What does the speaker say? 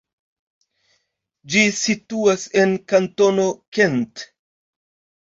Ĝi situas en kantono Kent.